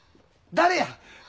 誰や！